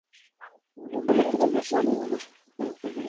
কেউ কেউ বলেন, তিনি বাশতাসিব ইবন লাহরাসিরের যুগে নবী ছিলেন।